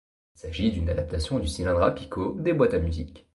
Il s'agit d'une adaptation du cylindre à picots des boîtes à musique.